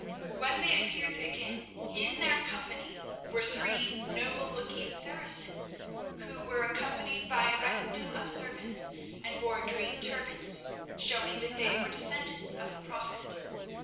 When they appeared again, in their company were three noble looking Saracens, who were accompanied by a retinue of servants and wore green turbans, showing that they were descendants of the Prophet.